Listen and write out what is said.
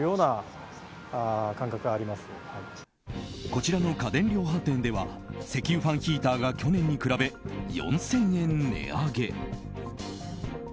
こちらの家電量販店では石油ファンヒーターが去年に比べ４０００円値上げ。